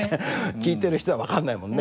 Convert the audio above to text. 聞いてる人は分かんないもんね。